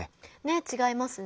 違いますね。